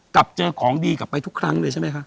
กลับเจอของดีกลับไปทุกครั้งเลยใช่ไหมคะ